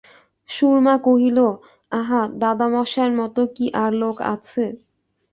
সুরমা কহিল, আহা, দাদামহাশয়ের মতো কি আর লোক আছে।